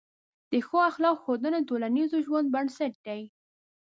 د ښه اخلاقو ښودنه د ټولنیز ژوند بنسټ دی.